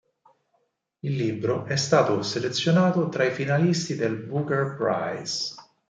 Il libro è stato selezionato tra i finalisti del Booker Prize.